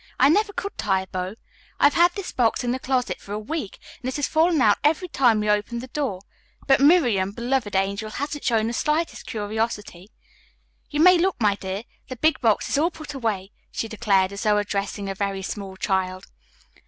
I never could tie a bow. I have had this box in the closet for a week, and it has fallen out every time we opened the door, but Miriam, beloved angel, hasn't shown the slightest curiosity. You may look, my dear, the big box is all put away," she declared, as though addressing a very small child.